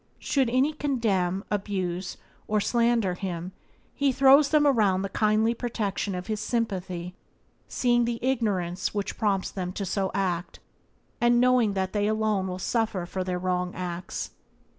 Should any condemn, abuse, or slander him he throws around them the kindly protection of his sympathy, seeing the ignorance which prompts them so to act, and knowing that they alone will suffer for their wrong acts.